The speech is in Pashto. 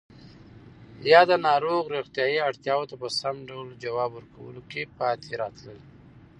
یاد ناروغ روغتیایی اړتیاوو ته په سم ډول ځواب ورکولو کې پاتې راتلل